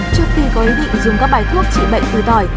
trước khi có ý định dùng các bài thuốc trị bệnh từ tỏi